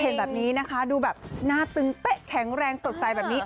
เห็นแบบนี้นะคะดูแบบหน้าตึงเป๊ะแข็งแรงสดใสแบบนี้